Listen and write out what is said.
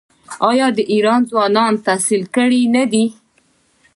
آیا د ایران ځوانان تحصیل کړي نه دي؟